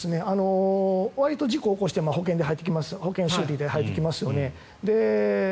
わりと事故を起こして保険修理で入ってきますよね。